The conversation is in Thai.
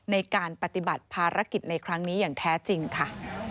ในการปฏิบัติภารกิจในครั้งนี้อย่างแท้จริงค่ะ